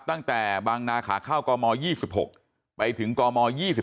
ตั้งแต่บางนาขาเข้ากม๒๖ไปถึงกม๒๔